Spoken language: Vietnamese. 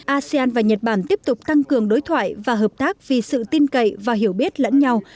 asean và nhật bản tiếp tục tăng cường đối thoại và hợp tác vì sự tin cậy và hiểu biết lẫn nhau